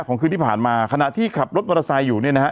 คืนที่ผ่านมาขณะที่ขับรถมอเตอร์ไซค์อยู่เนี่ยนะฮะ